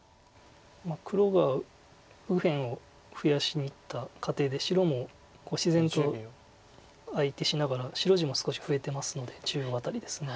黒が右辺を増やしにいった過程で白も自然と相手しながら白地も少し増えてますので中央辺りです。